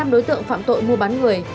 bảy mươi năm đối tượng phạm tội mua bán người